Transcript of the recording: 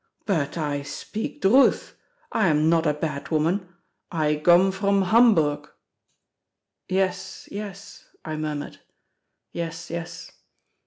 But I speak druth, I am nod a bad woman—I gome from Hamburg." "Yes, yes," I murmured; "yes, yes."